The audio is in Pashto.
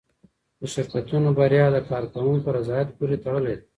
د شرکتونو بریا د کارکوونکو رضایت پورې تړلې ده.